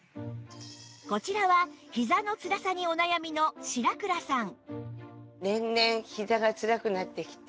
こちらはひざのつらさにお悩みの白倉さん